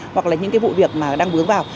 hoặc là những vụ việc đang bướng vào